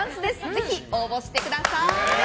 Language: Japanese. ぜひ応募してください。